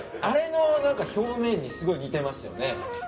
あれの表面にすごい似てますよね。